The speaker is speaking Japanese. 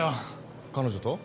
彼女と？